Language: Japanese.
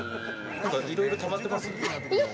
いろいろたまってます。